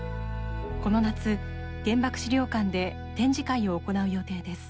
この夏、原爆資料館で展示会を行う予定です。